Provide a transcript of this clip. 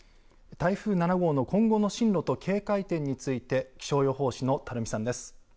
台風７号の今後の進路と警戒点について気象予報士の垂水さんです。